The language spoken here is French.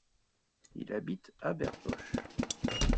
Il habite Habère-Poche.